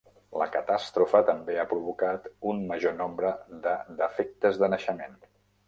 La catàstrofe també ha provocat un major nombre de defectes de naixement.